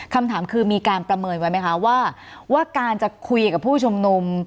คำถามคือมีการประเมินไว้ไหมคะว่าการจะคุยกับผู้ชุมนุม